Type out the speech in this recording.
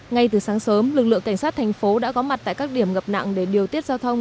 ngay từ sáng sớm lực lượng cảnh sát thành phố đã có mặt tại các điểm ngập nặng để điều tiết giao thông